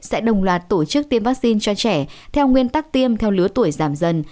sẽ đồng loạt tổ chức tiêm vaccine cho trẻ theo nguyên tắc tiêm theo lứa tuổi giảm dần